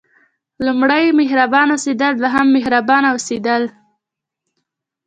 لومړی مهربانه اوسېدل دوهم مهربانه اوسېدل.